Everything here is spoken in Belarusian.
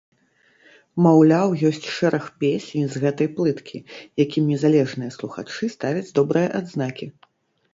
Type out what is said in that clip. Маўляў, ёсць шэраг песень з гэтай плыткі, якім незалежныя слухачы ставяць добрыя адзнакі.